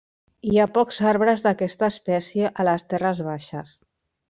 Hi ha pocs arbres d'aquesta espècie a les terres baixes.